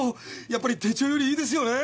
やっぱり手帳よりいいですよね！